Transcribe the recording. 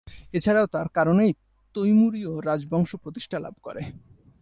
এছাড়াও তাঁর কারণেই তৈমুরীয় রাজবংশ প্রতিষ্ঠা লাভ করে।